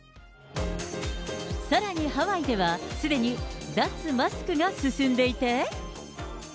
さらにハワイでは、すでに脱マスクが進んでいて。